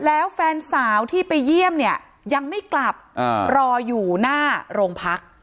แล้วแฟนสาวที่ไปเยี่ยมเนี่ยยังไม่กลับรออยู่หน้าโรงพัก